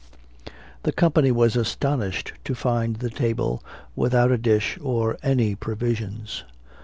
The company were astonished to find the table without a dish or any provisions.